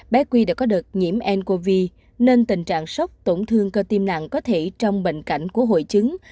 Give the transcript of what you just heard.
bé quy đã có đợt nhiễm ncov nên tình trạng sốc tổn thương cơ tim nặng có thể trong bệnh cảnh của hội chứng